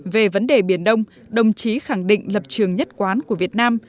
về vấn đề biển đông đồng chí khẳng định lập trường nhất quán của việt nam